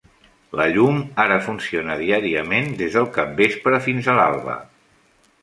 La llum ara funciona diàriament des del capvespre fins a l'alba.